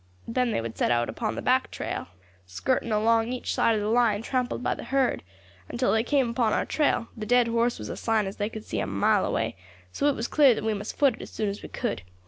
Then they would set out upon the back trail, skirting along each side of the line trampled by the herd until they came upon our trail; the dead horse was a sign as they could see a mile away, so it was clear that we must foot it as soon as we could.